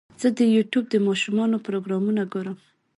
زه د یوټیوب د ماشومانو پروګرامونه ګورم.